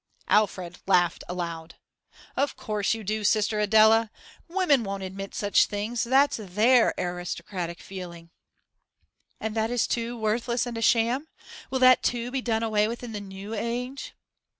Alfred laughed aloud. 'Of course you do, sister Adela! Women won't admit such things; that's their aristocratic feeling!' 'And that is, too, worthless and a sham? Will that, too, be done away with in the new age?